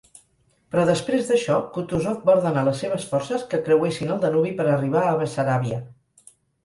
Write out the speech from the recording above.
Però després d'això, Kutuzov va ordenar les seves forces que creuessin el Danubi per arribar a Bessaràbia.